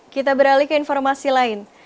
kita beralih ke informasi lain